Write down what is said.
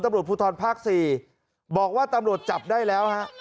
ตำรวจภูทรภาค๔บอกว่าตำรวจจับได้แล้วฮะ